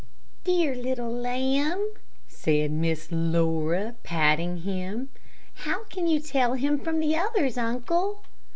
"Dear little lamb," said Miss Laura, patting him. "How can you tell him from the others, uncle?"